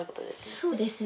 そうですね。